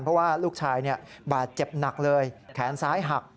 เพราะว่าลูกชายบาดเจ็บหนักเลยแขนซ้ายหัก